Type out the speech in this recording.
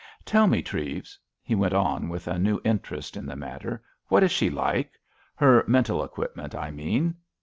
Tell me, Treves," he went on, with a new interest in the matter, "what is she like? Her mental equipment, I mean?"